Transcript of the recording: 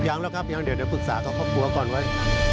ยังแล้วครับยังเดี๋ยวปรึกษากับครอบครัวก่อนไว้